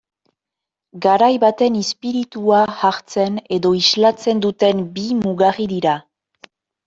Garai baten izpiritua hartzen edo islatzen duten bi mugarri dira.